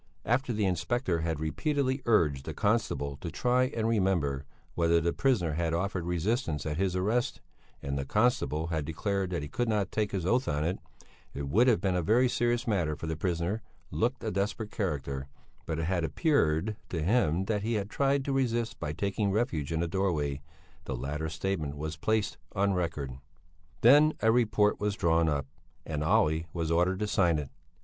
After the inspector had repeatedly urged the constable to try and remember whether the prisoner had offered resistance at his arrest, and the constable had declared that he could not take his oath on it it would have been a very serious matter for the prisoner looked a desperate character but it had appeared to him that he had tried to resist by taking refuge in a doorway the latter statement was placed on record. Then a report was drawn up, and Olle was ordered to sign it.